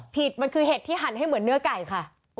ผิดมันคือเห็ดที่หั่นให้เหมือนเนื้อไก่ค่ะ